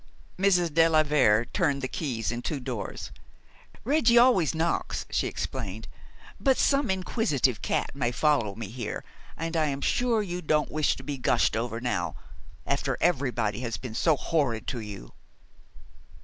Mrs. de la Vere turned the keys in two doors. "Reggie always knocks," she explained; "but some inquisitive cat may follow me here, and I am sure you don't wish to be gushed over now, after everybody has been so horrid to you."